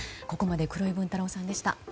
ここまで黒井文太郎さんでした。